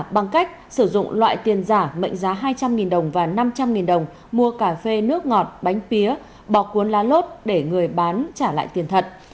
bằng cách sử dụng loại tiền giả mệnh giá hai trăm linh đồng và năm trăm linh đồng mua cà phê nước ngọt bánh pía bọc cuốn lá lốt để người bán trả lại tiền thật